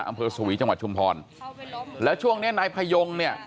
อำเภอสวีจังหวัดชุมพรแล้วช่วงเนี้ยนายพยงเนี่ย